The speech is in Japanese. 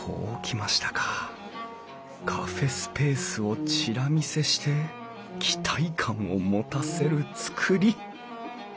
カフェスペースをチラ見せして期待感を持たせる造り。